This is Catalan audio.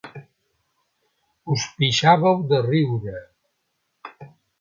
Us pixàveu de riure.